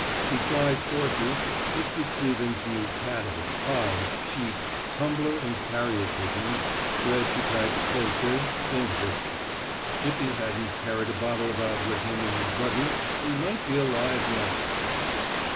Besides horses, Mr. Stevens knew cattle, hogs, sheep, tumbler and carrier pigeons, bred to type poultry, and whiskey. If he hadn't carried a bottle about with him in his buggy he might be alive now.